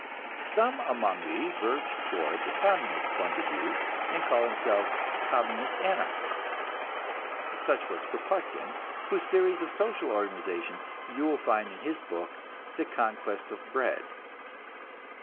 Some among these verge toward the Communist point of view, and call themselves Communist anarchists; such was Kropotkin, whose theories of social organization you will find in his book "The Conquest of Bread."